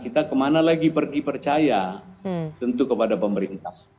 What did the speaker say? kita kemana lagi pergi percaya tentu kepada pemerintah